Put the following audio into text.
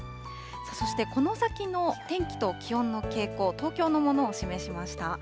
そしてこの先の天気と気温の傾向、東京のものを示しました。